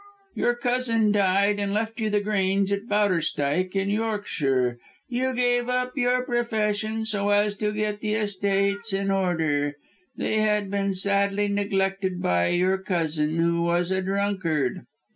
"Your cousin died and left you The Grange at Bowderstyke, in Yorkshire. You gave up your profession so as to get the estates in order: they had been sadly neglected by your cousin, who was a drunkard."